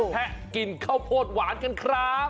กินข้าวโพดหวานกันครับ